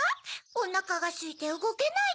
「おなかがすいてうごけない」ですって。